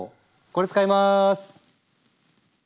これ使います！